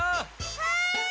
はい！